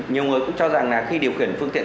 nhiều người cũng cho rằng là khi điều khiển phương tiện